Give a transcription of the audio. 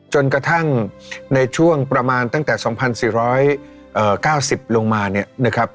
จนกระทั่งในช่วงประมาณตั้งแต่๒๔๙๐ลงมา